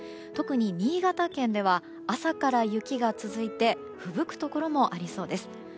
特に新潟県では朝から雪が続いてふぶくところもありそうです。